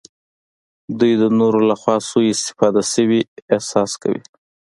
دوی د نورو لخوا سوء استفاده شوي احساس کوي.